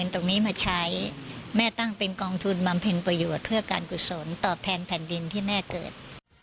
ทางกุศลตอบแทนแผ่นดินที่แม่เกิด